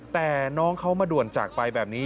แต่น้องเขามาด่วนจากไปแบบนี้